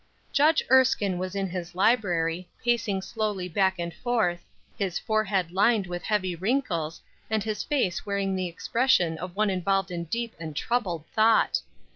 JUDGE ERSKINE was in his library, pacing slowly back and forth, his forehead lined with heavy wrinkles, and his face wearing the expression of one involved in deep and troubled thought.